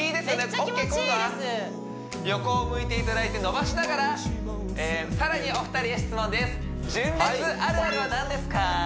オーケー今度は横を向いていただいて伸ばしながら更にお二人へ質問です